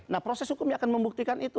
nah proses hukumnya akan membuktikan itu